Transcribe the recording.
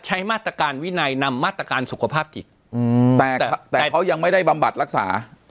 ใช้มาตรการวินัยนำมาตรการสุขภาพจิตแต่แต่เขายังไม่ได้บำบัดรักษา